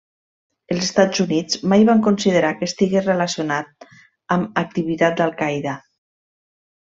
Els Estats Units mai van considerar que estigués relacionat amb activitat d'Al-Qaida.